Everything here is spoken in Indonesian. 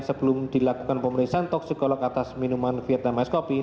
sebelum dilakukan pemeriksaan toksikolog atas minuman vietnam ice coffee